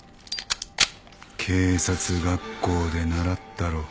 警察学校で習ったろ。